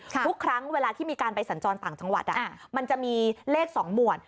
ทุกครั้งเวลาที่มีการไปสัญจรต่างจังหวัดมันจะมีเลข๒หมวด